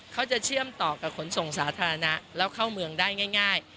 เชื่อมต่อกับขนส่งสาธารณะแล้วเข้าเมืองได้ง่าย